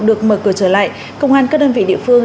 được mở cửa trở lại công an các đơn vị địa phương